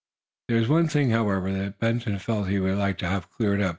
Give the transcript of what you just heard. There was one other thing, however, that Benson felt he would like to have cleared up.